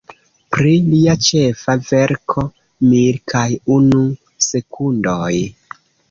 Pri lia ĉefa verko, Mil kaj unu sekundoj.